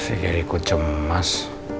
sejari ku cemas